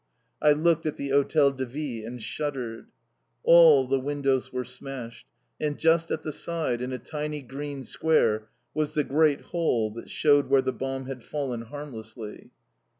I looked at the Hotel de Ville and shuddered. All the windows were smashed; and just at the side, in a tiny green square, was the great hole that showed where the bomb had fallen harmlessly.